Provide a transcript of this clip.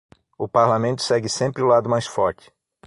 O parlamento segue sempre o lado mais forte.